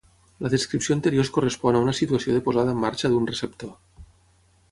La descripció anterior és correspon a una situació de posada en marxa d'un receptor.